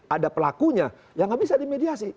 ada pelakunya yang nggak bisa dimediasi